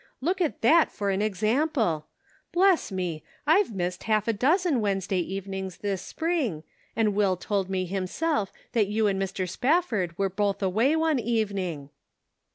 Look at that for an example ! Bless me ! I've missed half a dozen Wednesday evenings this spring, and Will told me himself that you and Mr. Spafford were both away one evening."